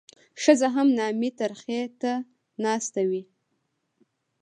ښځه هم نامي ترخي ته ناسته وي.